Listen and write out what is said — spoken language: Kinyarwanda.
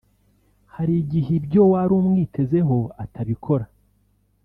hari igihe ibyo wari umwitezeho atabikora